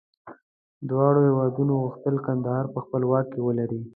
دواړو هېوادونو غوښتل کندهار په خپل واک کې ولري.